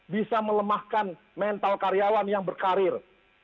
bisa melemahkan mental karyawan yang berkarir